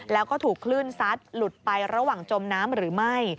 แล้วก็ถูกคลื่นซัดหลุดไประหว่างจมน้ำหรือไม่